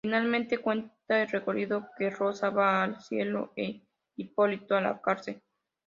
Finalmente cuenta el corrido que Rosa va al cielo e Hipólito a la cárcel.